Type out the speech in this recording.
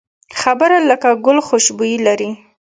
خبره لکه ګل خوشبويي لري